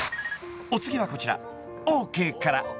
［お次はこちら。